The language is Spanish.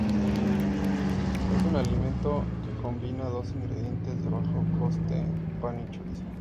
Es un alimento que combina dos ingredientes de bajo coste: pan y chorizo.